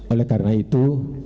oleh karena itu